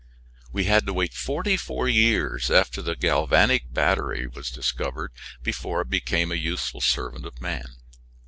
We had to wait forty four years after the galvanic battery was discovered before it became a useful servant of man.